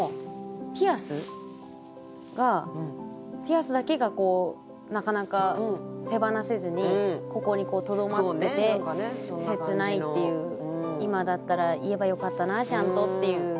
ピアスがピアスだけがなかなか手放せずにここにとどまってて切ないっていう今だったら言えばよかったなちゃんとっていう。